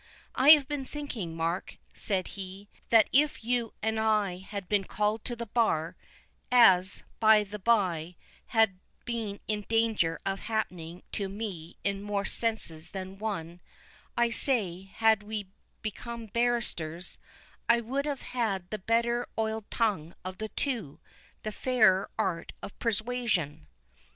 "I have been thinking, Mark," said he, "that if you and I had been called to the bar—as, by the by, has been in danger of happening to me in more senses than one—I say, had we become barristers, I would have had the better oiled tongue of the two—the fairer art of persuasion."